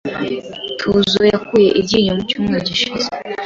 Tuzo yakuye iryinyo mu cyumweru gishize.